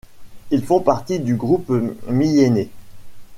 Ils font partie du groupe Myènè.